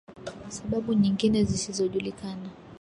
Sababu nyingine zisizojulikana